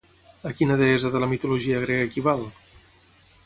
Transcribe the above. A quina deessa de la mitologia grega equival?